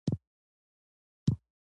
د څېړنې لږ تر لږه شرایط رعایت شول.